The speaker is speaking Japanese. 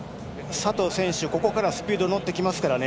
佐藤選手、ここからスピードにのってきますから。